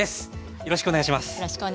よろしくお願いします。